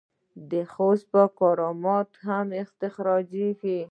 د خوست کرومایټ هم استخراج کیږي.